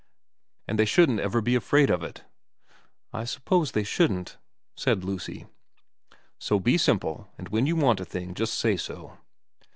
' And they shouldn't ever be afraid of it.' * I suppose they shouldn't,' said Lucy. ' So be simple, and when you want a thing just say so.'